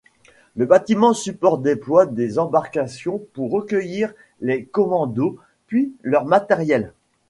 Le bâtiment support déploie des embarcations pour recueillir les commandos puis leur matériel.